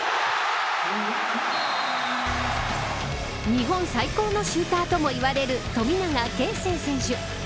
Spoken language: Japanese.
日本最高のシューターともいわれる富永啓生選手。